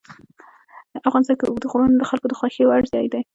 افغانستان کې اوږده غرونه د خلکو د خوښې وړ ځای دی.